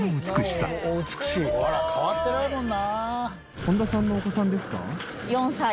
ほら変わってないもんな。